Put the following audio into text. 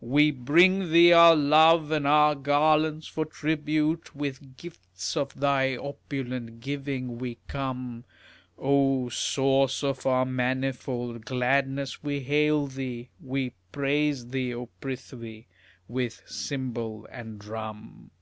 We bring thee our love and our garlands for tribute, With gifts of thy opulent giving we come; O source of our manifold gladness, we hail thee, We praise thee, O Prithvi, with cymbal and drum.